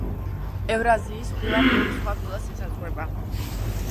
ევრაზიის ფილა ბევრ სხვა ფილას ესაზღვრება.